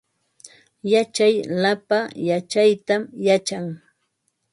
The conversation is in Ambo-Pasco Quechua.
Yachaq lapa yachaytam yachan